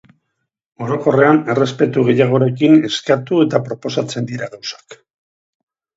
Orokorrean errespetu gehiagorekin eskatu eta proposatzen dira gauzak.